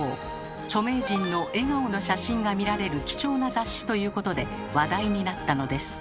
著名人の笑顔の写真が見られる貴重な雑誌ということで話題になったのです。